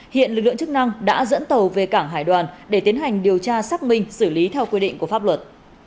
hiện lực lượng chức năng đã dẫn tàu về cảng hải đoàn để tiến hành điều tra xác minh xử lý theo quy định của pháp luật